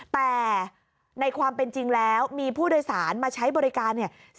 แต่ในความเป็นจริงแล้วมีผู้โดยสารมาใช้บริการเนี่ย